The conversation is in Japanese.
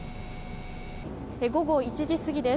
午後１時過ぎです。